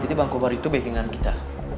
jadi bang kobra itu backingan kita